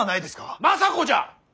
政子じゃ！